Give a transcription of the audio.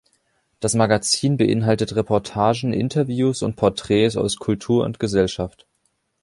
Das Magazin beinhaltet Reportagen, Interviews und Porträts aus Kultur und Gesellschaft.